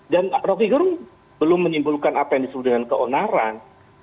dan rocky gerung belum menimbulkan apa yang disebut dengan keonaran